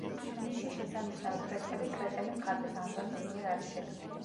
მისი შესანიშნავი ფრესკები კრეტელი მხატვრის, ანტონის მიერ არის შექმნილი.